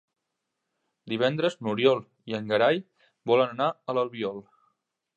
Divendres n'Oriol i en Gerai volen anar a l'Albiol.